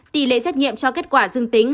tỷ lệ xét nghiệm cho kết quả dừng tính